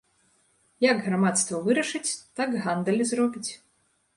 Як грамадства вырашыць, так гандаль і зробіць.